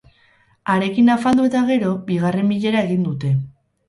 Harekin afaldu eta gero, bigarren bilera egin dute.